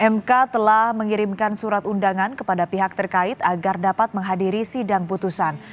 mk telah mengirimkan surat undangan kepada pihak terkait agar dapat menghadiri sidang putusan